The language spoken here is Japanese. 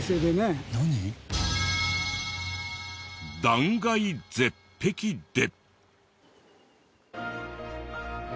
断崖絶壁で。